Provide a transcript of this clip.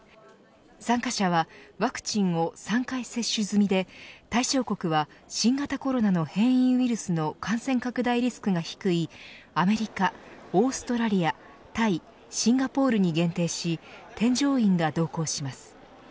参加者はワクチンを３回接種済みで対象国は新型コロナの変異ウイルスの感染拡大リスクが低いアメリカ、オーストラリアタイ、シンガポールに限定し添乗員が同行します。